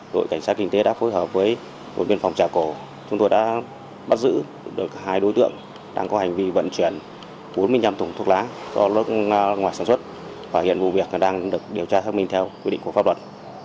đội cảnh sát kinh tế đã phối hợp với đồn biên phòng trà cổ chúng tôi đã bắt giữ được hai đối tượng đang có hành vi vận chuyển bốn mươi năm thùng thuốc lá do nước ngoài sản xuất và hiện vụ việc đang được điều tra xác minh theo quy định của pháp luật